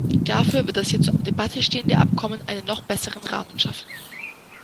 Dafür wird das hier zur Debatte stehende Abkommen einen noch besseren Rahmen schaffen.